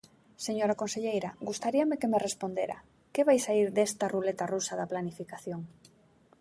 Señora conselleira, gustaríame que me respondera: ¿que vai saír desta ruleta rusa da planificación?